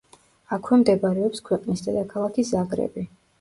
აქვე მდებარეობს ქვეყნის დედაქალაქი ზაგრები.